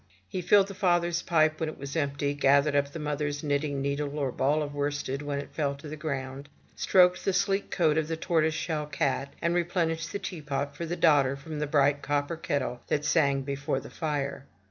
He filled the father^s pipe when it was empty, gathered up the mother's knitting needle, or ball of worsted when it fell to the ground; stroked the sleek coat of the tortoise shell cat, and replenished the tea pot for the daughter from the bright copper kettle that sang before the fire.